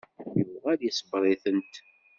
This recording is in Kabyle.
Yuɣal isebbeṛ-itent.